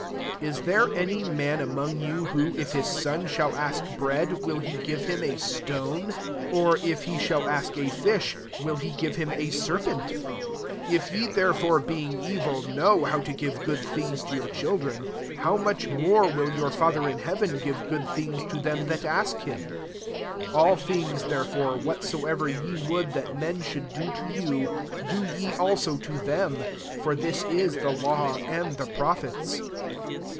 9 Is there any man among yoU) who, if his son shall ask bread will he give him a stone ? 10 or if he shall ask a fish will he give him a serpent ? 11 If ye there fore, being evil, know how to give good things to your chil dren, how much more will your Father in heaven give good things to them that ask him? IS AH things therefore what soever ye would that men should do to you, do ye idso to them ; for this is Uie law and the prophets.